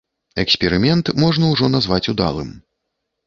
Эксперымент ўжо можна назваць удалым.